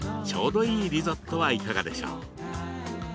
ちょうどいいリゾットはいかがでしょう。